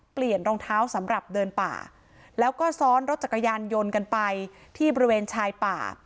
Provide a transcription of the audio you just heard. รองเท้าสำหรับเดินป่าแล้วก็ซ้อนรถจักรยานยนต์กันไปที่บริเวณชายป่า